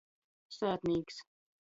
Sātnīks.